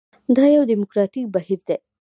دا یو ډیموکراټیک بهیر دی.